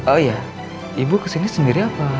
oh iya ibu kesini sendiri apa